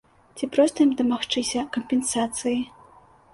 Ці проста ім дамагчыся кампенсацыі?